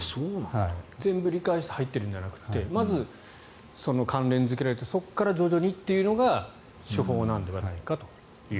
全部理解して入っているんではなくてまず、関連付けられてそこから徐々にっていうのが手法なのではないかと。